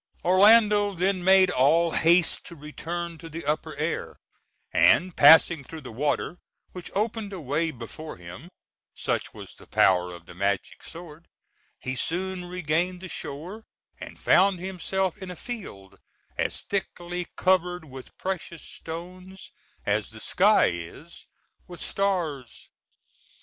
Orlando then made all haste to return to the upper air, and, passing through the water, which opened a way before him (such was the power of the magic sword), he soon regained the shore, and found himself in a field as thickly covered with precious stones as the sky is with stars.